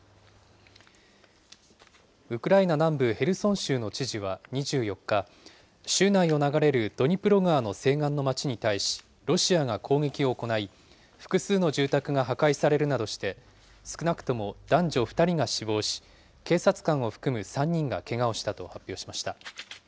ウクライナ南部ヘルソン州の知事は２４日、州内を流れるドニプロ川の西岸の街に対し、ロシアが攻撃を行い、複数の住宅が破壊されるなどして、少なくとも男女２人が死亡し、警察官を含む３人がけがをしたと発表しました。